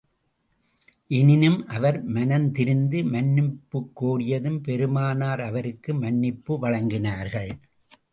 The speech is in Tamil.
எனினும் அவர் மனந்திருந்தி மன்னிப்புக் கோரியதும், பெருமானார் அவருக்கும் மன்னிப்பு வழங்கினார்கள்.